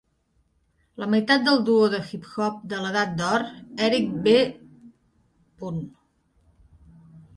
La meitat del duo de hip-hop de l'edat d'or, Eric B.